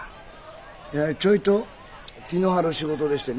いやちょいと気の張る仕事でしてね